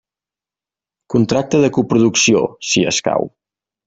Contracte de coproducció, si escau.